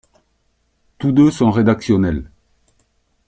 Tous deux sont rédactionnels.